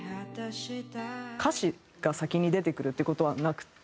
歌詞が先に出てくるっていう事はなくて